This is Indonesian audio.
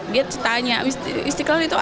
dia tanya istiqlal itu